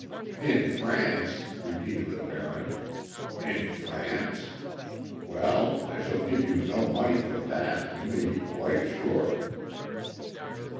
"In France!" repeated the Baron, "in France? Well, I shall give you no money for that, you may be quite sure."